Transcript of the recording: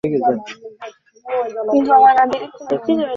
পরে ভ্রাম্যমাণ আদালত বসিয়ে কনের বাবা মুনিরুল ইসলামকে কারাদণ্ড দেওয়া হয়।